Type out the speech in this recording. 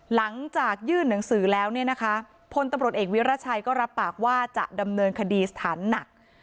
หลังจากยื่นหนังสือแล้วเนี่ยนะคะพลตำรวจเอกวิรัชัยก็รับปากว่าจะดำเนินคดีสถานหนัก